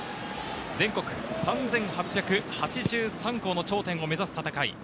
全国３８８３校の頂点を目指す戦い。